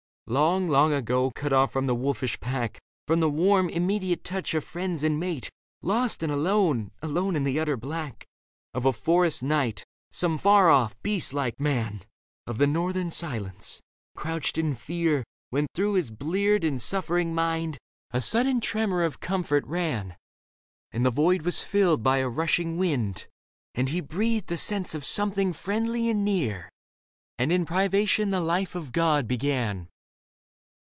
Long, long ago, cut off from the wolfish pack, From the warm, immediate touch of friends and mate. Lost and alone, alone in the utter black Of a forest night, some far off, beast like man. Cowed by the cold indifferent hate Of the northern silence, crouched in fear, When through his bleared and suffering mind 20 Leda A sudden tremor of comfort ran, And the void was filled by a rushing wind, And he breathed a sense of something friendly and near, And in privation the life of God began.